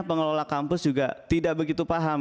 pengelola kampus juga tidak begitu paham